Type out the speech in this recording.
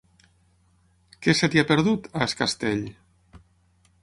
Què se t'hi ha perdut, a Es Castell?